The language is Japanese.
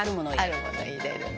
「あるものを入れるの」